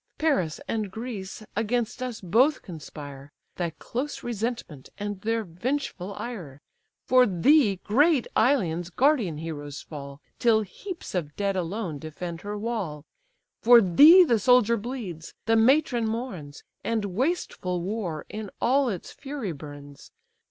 Paris and Greece against us both conspire, Thy close resentment, and their vengeful ire. For thee great Ilion's guardian heroes fall, Till heaps of dead alone defend her wall, For thee the soldier bleeds, the matron mourns, And wasteful war in all its fury burns.